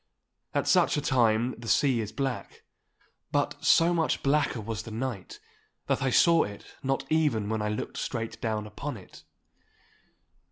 At such a time the sea is black. But so much blacker was the night that I saw it not even when I looked straight down upon it.